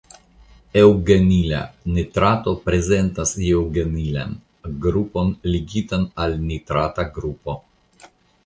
Eŭgenila nitrato prezentas eŭgenilan grupon ligitan al nitrata grupo.